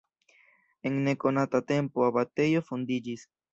En nekonata tempo abatejo fondiĝis.